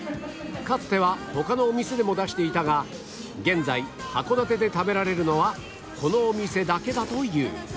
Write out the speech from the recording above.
かつては他のお店でも出していたが現在函館で食べられるのはこのお店だけだという